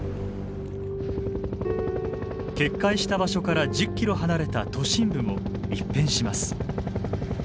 決壊した場所から１０ｋｍ離れた都心部も一変します。